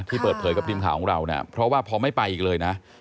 เปิดเผยกับทีมข่าวของเราเนี่ยเพราะว่าพอไม่ไปอีกเลยนะ